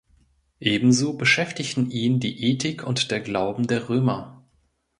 Ebenso beschäftigten ihn die Ethik und der Glauben der Römer.